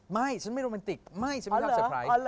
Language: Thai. ไม่ฉันไม่โรแมนติกไม่ฉันไม่ทำเตอร์ไพรส์